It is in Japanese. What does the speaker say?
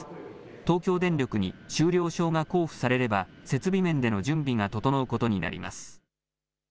東京電力に終了証が交付されれば、設備面での準備が整うことになります。